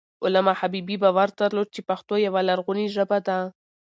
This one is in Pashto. علامه حبيبي باور درلود چې پښتو یوه لرغونې ژبه ده.